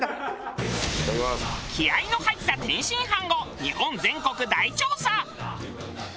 気合の入った天津飯を日本全国大調査！